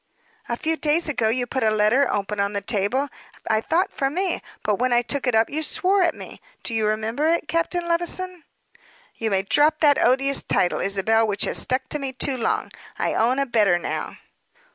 "A few days ago you put a letter, open on the table, I thought for me; but when I took it up you swore at me. Do you remember it Captain Levison?" "You may drop that odious title, Isabel, which has stuck to me too long. I own a better, now."